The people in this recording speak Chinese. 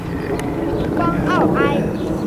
邦奥埃。